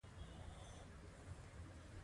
موږ نور ظلم او ستم نشو زغملای.